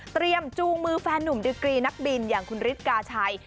จูงมือแฟนนุ่มดิกรีนักบินอย่างคุณฤทธิกาชัย